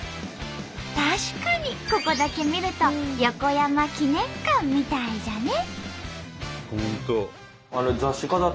確かにここだけ見ると横山記念館みたいじゃね！